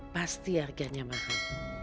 pasti harganya mahal